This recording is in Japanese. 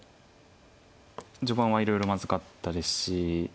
序盤はいろいろまずかったですし。